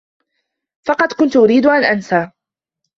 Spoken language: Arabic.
فقط كنت أريد أن أنسى.